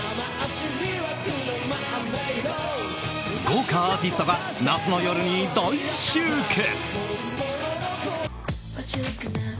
豪華アーティストが夏の夜に大集結。